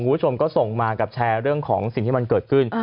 คุณผู้ชมก็ส่งมากับแชร์เรื่องของสิ่งที่มันเกิดขึ้น